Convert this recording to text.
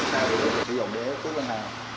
sử dụng để cứu bên hàng